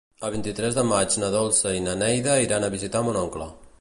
El vint-i-tres de maig na Dolça i na Neida iran a visitar mon oncle.